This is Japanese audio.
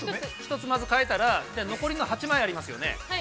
１つ書いたら残りの８枚ありますよね。